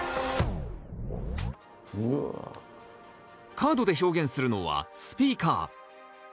カードで表現するのはスピーカー。